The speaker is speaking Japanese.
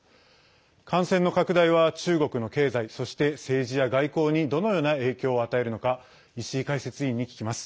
感染の拡大は中国の経済そして、政治や外交にどのような影響を与えるのか石井解説委員に聞きます。